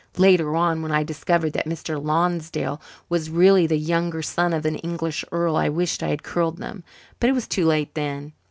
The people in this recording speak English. Later on, when I discovered that Mr. Lonsdale was really the younger son of an English earl, I wished I had curled them, but it was too late then.